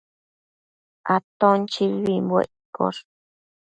Aton chibibimbuec iccosh